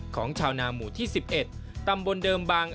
ของชาวนาหมู่ที่๑๑ตำบลเดิมบาง